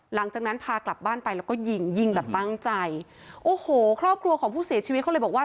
หลังจากนั้นพากลับบ้านไปแล้วก็ยิงยิงแบบตั้งใจโอ้โหครอบครัวของผู้เสียชีวิตเขาเลยบอกว่า